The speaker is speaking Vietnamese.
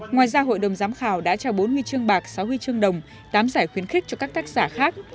ngoài ra hội đồng giám khảo đã trao bốn huy chương bạc sáu huy chương đồng tám giải khuyến khích cho các tác giả khác